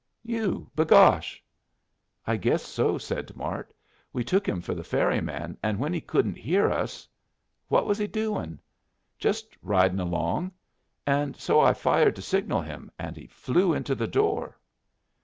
"You, begosh!" "I guess so," said Mart. "We took him for the ferry man, and when he couldn't hear us " "What was he doin'?" "Just riding along. And so I fired to signal him, and he flew into the door."